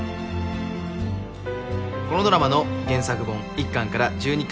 このドラマの原作本１巻から１２巻